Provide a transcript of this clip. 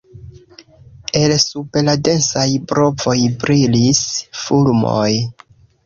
El sub la densaj brovoj brilis fulmoj.